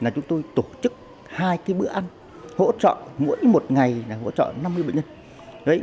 chúng tôi tổ chức hai bữa ăn hỗ trợ mỗi một ngày là hỗ trợ năm mươi bệnh nhân